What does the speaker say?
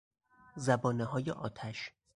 زبانههای آتش